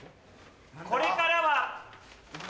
これからは。